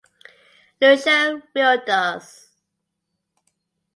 Lucia Realtors.